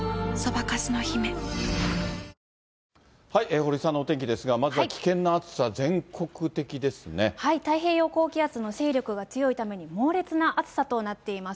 堀さんのお天気ですが、まずは危険な暑さ、太平洋高気圧の勢力が強いために、猛烈な暑さとなっています。